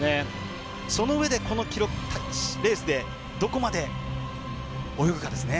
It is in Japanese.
そのうえで、このレースでどこまで泳ぐかですね。